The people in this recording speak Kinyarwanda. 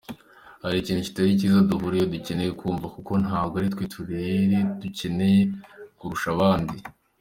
Hari ikintu kitari cyiza duhuriyeho dukeneye kumva, kuko ntabwo aritwo turere dukennye kurusha utundi.